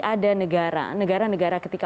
ada negara negara negara ketika